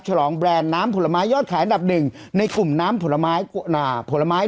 ฉลองแบรนด์น้ำผลไม้ยอดขายอันดับหนึ่งในกลุ่มน้ำผลไม้ผลไม้